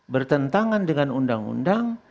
bertentangan dengan undang undang